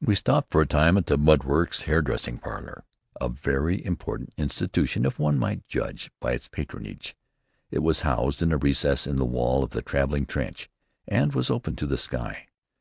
We stopped for a moment at "The Mud Larks' Hairdressing Parlor," a very important institution if one might judge by its patronage. It was housed in a recess in the wall of the traveling trench, and was open to the sky.